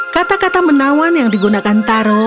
kata kata menawan yang digunakan taro